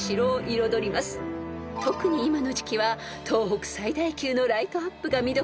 ［特に今の時期は東北最大級のライトアップが見どころ］